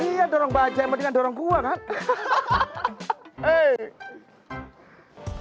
iya dorong bajenya mendingan dorong gua kan